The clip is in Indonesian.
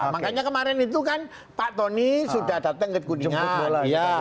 makanya kemarin itu kan pak tony sudah datang ke kuningan